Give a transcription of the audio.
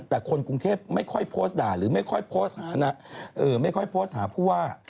แต่คนกรุงเทพฯไม่ค่อยโพสต์ด่าหรือไม่ค่อยโพสต์หาผู้ว่า